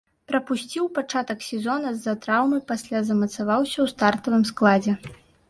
Прапусціў пачатак сезона з-за траўмы, пасля замацаваўся ў стартавым складзе.